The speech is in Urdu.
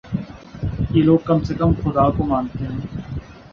یہ لوگ کم از کم خدا کو مانتے ہیں۔